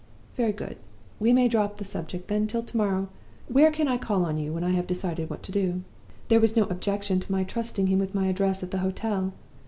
Very good; we may drop the subject, then, till to morrow. Where can I call on you when I have decided what to do?' "There was no objection to my trusting him with my address at the hotel.